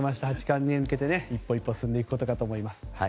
八冠に向けて一歩一歩進んでいくことかと思います。